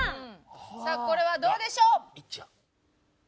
さあこれはどうでしょう？